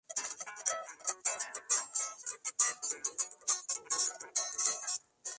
Gana sobre la marcha las carreras París-Ostende, París-Rambouillet y Toulouse-París.